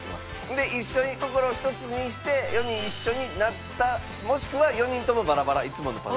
で一緒に心をひとつにして４人一緒になったもしくは４人ともバラバラいつものパターンですね。